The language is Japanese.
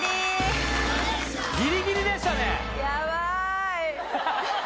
ギリギリでしたね。